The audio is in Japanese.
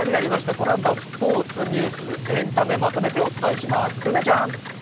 このあとはスポーツ、ニュース、エンタメ、まとめてお伝えします、梅ちゃん。